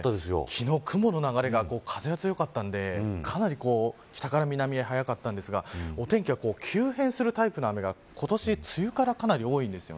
昨日、雲の流れが風が強かったんでかなり北から南早かったんですがお天気が急変するタイプの雨が今年、梅雨からかなり多いです。